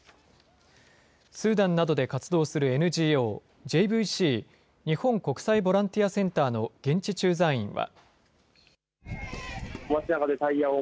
スーダンなどで活動するＮＧＯ、ＪＶＣ・日本国際ボランティアセンターの現地駐在員は。